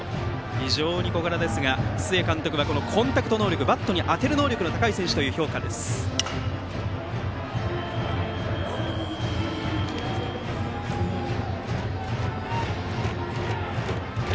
非常に小柄ですが、須江監督はコンタクト能力、バットに当てる能力が高いと評価をしています。